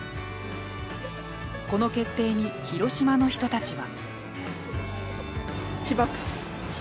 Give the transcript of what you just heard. この決定に、広島の人たちは。